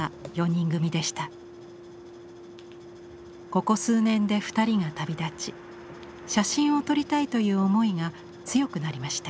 ここ数年で２人が旅立ち写真を撮りたいという思いが強くなりました。